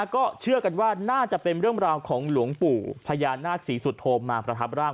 ก็เชื่อกันว่าน่าจะเป็นเรื่องราวของหลวงปู่พญานาคศรีสุโธมาประทับร่าง